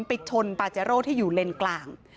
ไปชนปาเจโร่ที่อยู่เลนกลาง